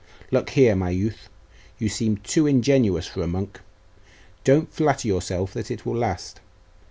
'Look here, my youth; you seem too ingenuous for a monk. Don't flatter yourself that it will last.